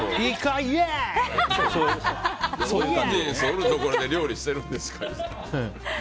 オーディエンスおるところで料理してるんですか。